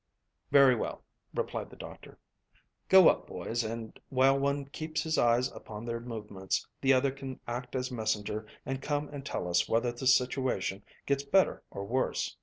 "Very well," replied the doctor. "Go up, boys, and while one keeps his eyes upon their movements, the other can act as messenger and come and tell us whether the situation gets better or worse."